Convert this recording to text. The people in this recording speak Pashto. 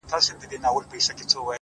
o ورباندي پايمه په دوو سترگو په څو رنگه؛